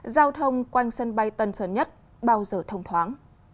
giao thông quanh sân bay tân sơn nhất bao giờ thông thoáng